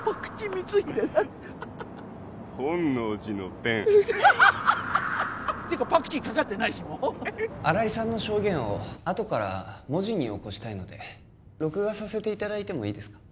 本能寺のペンハッハハハてかパクチーかかってないしもう新井さんの証言をあとから文字に起こしたいので録画させていただいてもいいですか？